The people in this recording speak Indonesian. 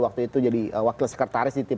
waktu itu jadi wakil sekretaris di tim